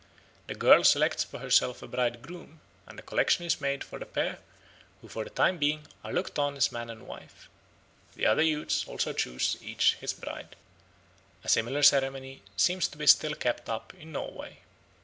The girl selects for herself a Bridegroom, and a collection is made for the pair, who for the time being are looked on as man and wife. The other youths also choose each his bride. A similar ceremony seems to be still kept up in Norway.